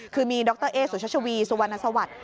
คือมีดรเอสุชัชวีสุวรรณสวัสดิ์